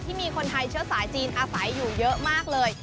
ที่มีคนไทยเชื้อสายจีนอาศัยอยู่เยอะมากเลย